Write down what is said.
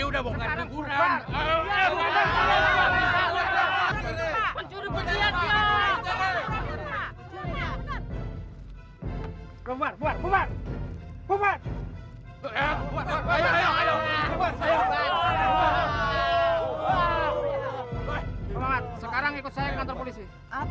di kantor punisi